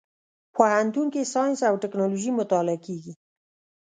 پوهنتون کې ساينس او ټکنالوژي مطالعه کېږي.